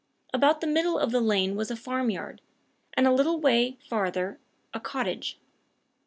About the middle of the lane was a farmyard, and a little way farther a cottage.